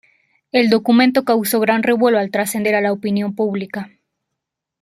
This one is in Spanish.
El documento causó gran revuelo al trascender a la opinión pública.